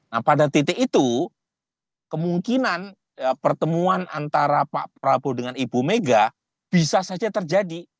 nah pada titik itu kemungkinan pertemuan antara pak prabowo dengan ibu mega bisa saja terjadi